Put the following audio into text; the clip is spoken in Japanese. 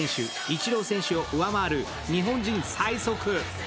イチロー選手を上回る日本人最速。